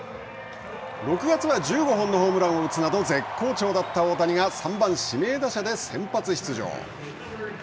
６月は１５本のホームランを打つなど絶好調だった大谷が３番指名打者で先発出場。